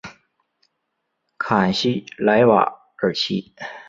坎西莱瓦尔齐。